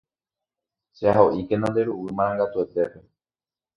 Che'aho'íkena nde ruguy marangatuetépe